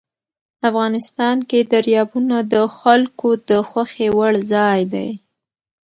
افغانستان کې دریابونه د خلکو د خوښې وړ ځای دی.